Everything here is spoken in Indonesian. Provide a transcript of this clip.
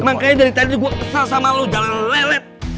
makanya dari tadi gua besar sama lu jangan lelet